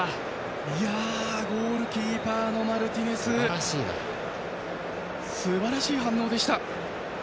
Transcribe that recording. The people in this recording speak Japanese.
ゴールキーパーのマルティネスすばらしい反応でした。